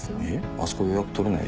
あそこ予約取れないでしょ。